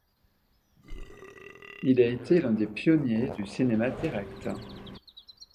Il a été l'un des pionniers du cinéma direct.